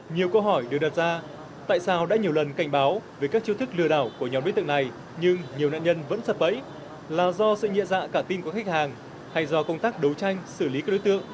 nhiều câu hỏi được đặt ra tại sao đã nhiều lần cảnh báo về các chiêu thức lừa đảo của nhóm đối tượng này nhưng nhiều nạn nhân vẫn sập bẫy là do sự nhạ cả tin của khách hàng hay do công tác đấu tranh xử lý các đối tượng